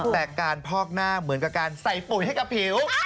แต่การพอกหน้าเหมือนกับการใส่ปุ๋ยให้กับผิว